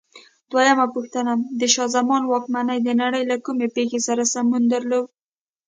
دویمه پوښتنه: د شاه زمان واکمنۍ د نړۍ له کومې پېښې سره سمون درلود؟